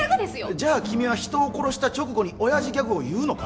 じゃあ君は人を殺した直後にオヤジギャグを言うのか？